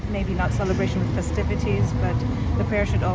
mungkin tidak menyebutkan penyelamatan dengan kebahagiaan